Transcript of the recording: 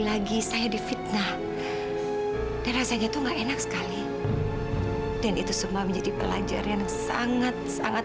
lagi saya difitnah dan rasanya itu enak sekali dan itu semua menjadi pelajar yang sangat sangat